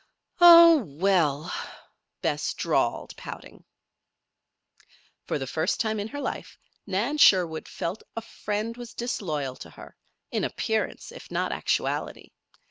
"Oh well!" Bess drawled, pouting. For the first time in her life Nan Sherwood felt that a friend was disloyal to her in appearance, if not actually.